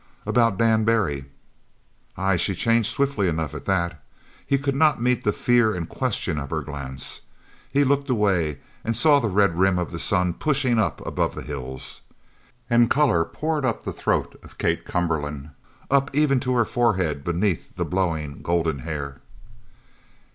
"About Dan Barry." Ay, she changed swiftly enough at that! He could not meet the fear and question of her glance. He looked away and saw the red rim of the sun pushing up above the hills. And colour poured up the throat of Kate Cumberland, up even to her forehead beneath the blowing golden hair.